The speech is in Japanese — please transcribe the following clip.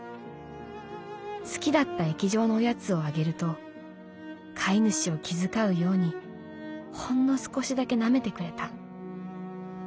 好きだった液状のおやつをあげると飼い主を気遣うようにほんの少しだけ舐めてくれた。